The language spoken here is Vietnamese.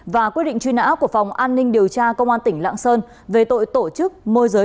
và quyết định truy nã của phòng an ninh điều tra công an tỉnh lạng sơn về tội tổ chức môi giới